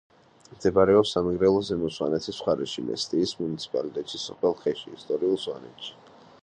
მდებარეობს სამეგრელო-ზემო სვანეთის მხარეში მესტიის მუნიციპალიტეტში, სოფელ ხეში ისტორიულ სვანეთში.